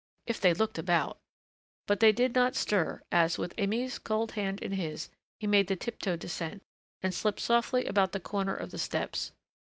If they looked about ! But they did not stir as, with Aimée's cold hand in his, he made the tiptoed descent and slipped softly about the corner of the steps.